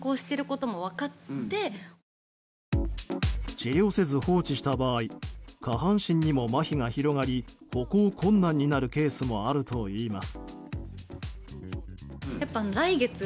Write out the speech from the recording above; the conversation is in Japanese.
治療せず放置した場合下半身にもまひが広がり歩行困難になるケースもあるといいます。